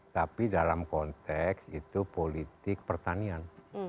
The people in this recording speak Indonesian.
tapi dalam konteks itu politik pertanian